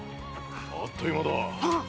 あっという間だ。